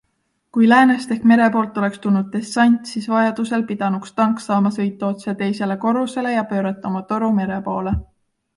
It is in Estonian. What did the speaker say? Kui läänest ehk mere poolt oleks tulnud dessant, siis vajadusel pidanuks tank saama sõita otse teisele korrusele ja pöörata oma toru mere poole.